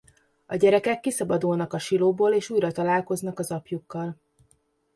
A gyerekek kiszabadulnak a silóból és újra találkoznak az apjukkal.